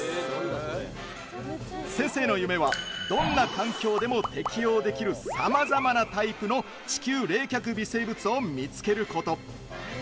先生の夢はどんな環境でも適応できるさまざまなタイプの地球冷却微生物を見つけること。